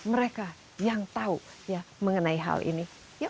mereka yang tahu mengenai hal ini